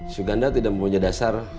suganda tidak mempunyai dasar